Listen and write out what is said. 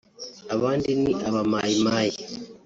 abandi ni aba Mai Mai